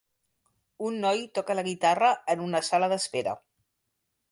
Un noi toca la guitarra en una sala d'espera.